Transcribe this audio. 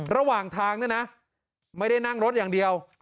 ระหว่างทางเนี่ยนะไม่ได้นั่งรถอย่างเดียว